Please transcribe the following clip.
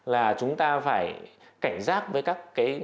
là chúng ta phải cảnh giác với các cái